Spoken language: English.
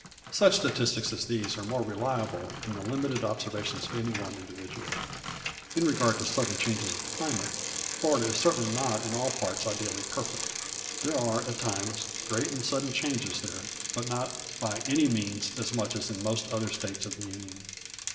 Such statistics as these are more reliable than the limited observation of any one individual. In regard to sudden changes of climate, Florida is certainly not in all parts ideally perfect. There are, at times, great and sudden changes there, but not by any means as much so as in most other States of the Union.